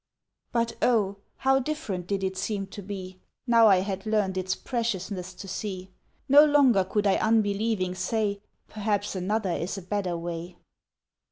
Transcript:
But oh! how different did it seem to be, Now I had learned its preciousness to see! No longer could I unbelieving say "Perhaps another is a better way."